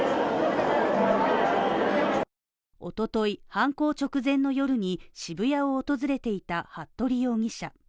おととい、犯行直前の夜に渋谷を訪れていた服部容疑者。